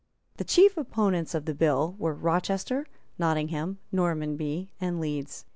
The chief opponents of the bill were Rochester, Nottingham, Normanby and Leeds.